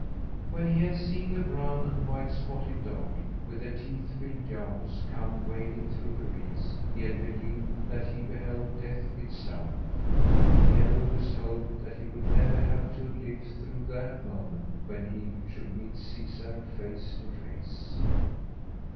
When he had seen the brown and white spotted dog with the teeth filled jowls come wading through the reeds, he had believed that he beheld death itself. He had always hoped that he would never have to live through that moment when he should meet Caesar face to face.